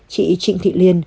chị trịnh thị liên